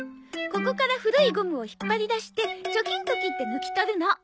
ここから古いゴムを引っ張り出してチョキンと切って抜き取るの。